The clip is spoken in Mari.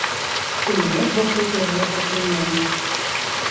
Пулемёт воктеке возо шуйнен